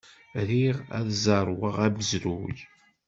Riɣ ad zerweɣ amezruy.